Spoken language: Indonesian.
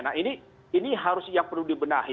nah ini harus yang perlu dibenahi